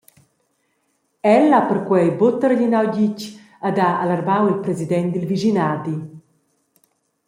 El ha perquei buca targlinau ditg ed ha alarmau il president dil vischinadi.